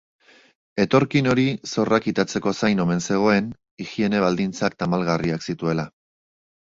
Etorkin hori zorra kitatzeko zain omen zegoen, higiene baldintza tamalgarriak zituela.